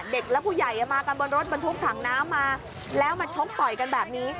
เด็กและผู้ใหญ่มากันบนรถบรรทุกถังน้ำมาแล้วมาชกต่อยกันแบบนี้